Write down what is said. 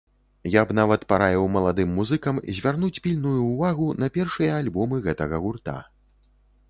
Я б нават параіў маладым музыкам звярнуць пільную ўвагу на першыя альбомы гэтага гурта.